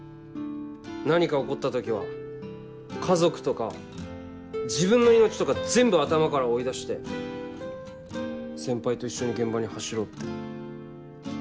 何か起こった時は家族とか自分の命とか全部頭から追い出して先輩と一緒に現場に走ろうって。